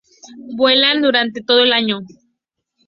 Vuelan durante todo el año.